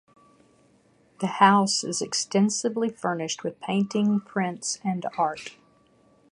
The house is extensively furnished with paintings, prints, and art.